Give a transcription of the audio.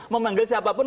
memang manggil siapapun